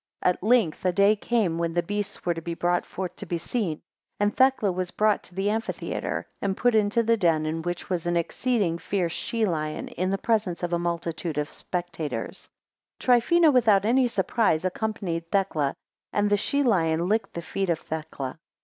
3 At length a day came, when the beasts were to be brought forth to be seen; and Thecla was brought to the amphitheatre, and put into a den in which was an exceeding fierce she lion, in the presence of a multitude of spectators. 4 Trifina; without any surprise, accompanied Thecla, and the she lion licked the feet of Thecla.